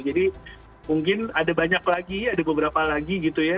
jadi mungkin ada banyak lagi ada beberapa lagi gitu ya